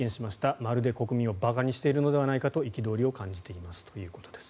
まるで国民を馬鹿にしているのではないかと憤りを感じているということです。